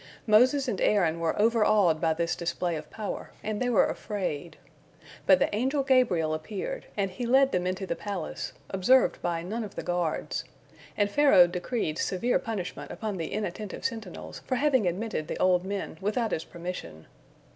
Moses and Aaron were overawed by this display of power, and they were afraid. But the angel Gabriel appeared, and he led them into the palace, observed by none of the guards, and Pharaoh decreed severe punishment upon the inattentive sentinels for having admitted the old men without his permission.